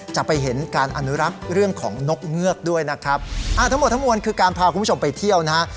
จะไปเห็นการอนุรักษ์เรื่องของนกเงือกด้วยนะครับอ่าทั้งหมดทั้งมวลคือการพาคุณผู้ชมไปเที่ยวนะฮะ